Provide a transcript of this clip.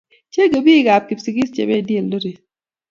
Change pik ab kipsigis chependi Eldoret